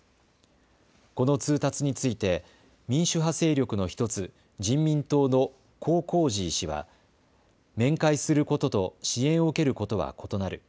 この通達について民主派勢力の１つ、人民党のコー・コー・ジー氏は面会することと支援を受けることは異なる。